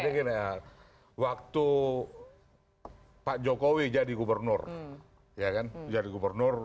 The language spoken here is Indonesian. jadi gini ya waktu pak jokowi jadi gubernur ya kan jadi gubernur